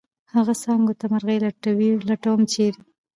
هغه څانګو ته مرغي لټوم ، چېرې؟